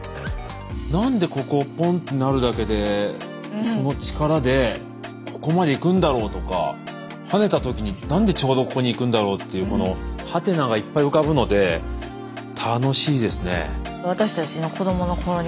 何でここをポンってなるだけでその力でここまでいくんだろうとかはねた時に何でちょうどここにいくんだろうというハテナがいっぱい浮かぶので楽しいですね。